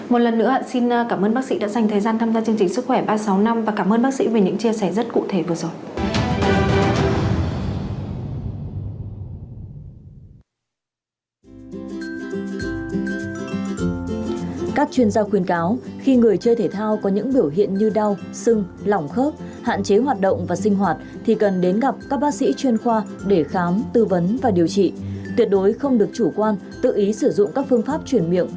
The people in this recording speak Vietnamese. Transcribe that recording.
một lần nữa xin cảm ơn bác sĩ đã dành thời gian tham gia chương trình sức khỏe ba trăm sáu mươi năm